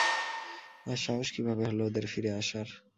আর সাহস কীভাবে হলো ওদের ফিরে আসার!